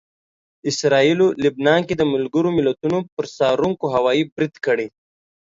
اسراییلو لبنان کې د ملګرو ملتونو پر څارونکو هوايي برید کړی